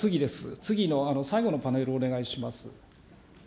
次の最後のパネルをお願いします。